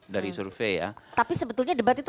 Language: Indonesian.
dari survei ya tapi sebetulnya debat itu